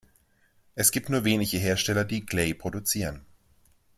Es gibt nur wenige Hersteller, die Clay produzieren.